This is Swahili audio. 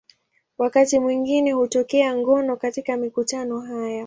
Wakati mwingine hutokea ngono katika mikutano haya.